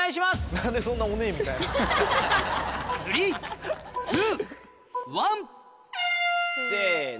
何でそんなオネエみたいな？せの。